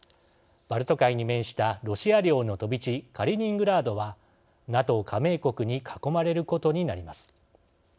バルト海に面したロシア領の飛び地カリーニングラードはＮＡＴＯ加盟国に囲まれることになります。